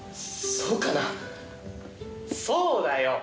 そうだよ！